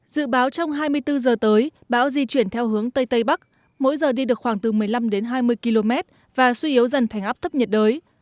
dự báo trong hai mươi bốn giờ tới bão di chuyển theo hướng tây tây bắc mỗi giờ đi được khoảng từ một mươi năm đến hai mươi km và suy yếu dần thành áp thấp nhiệt đới